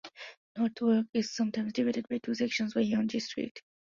North York is sometimes divided by two sections by Yonge Street.